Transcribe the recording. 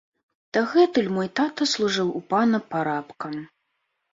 Дагэтуль мой тата служыў у пана парабкам.